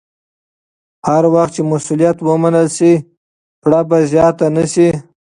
هر وخت چې مسوولیت ومنل شي، پړه به زیاته نه شي.